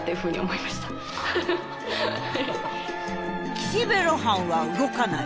「岸辺露伴は動かない」。